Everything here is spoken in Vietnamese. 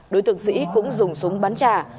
đối tượng sĩ cũng dùng súng bắn trả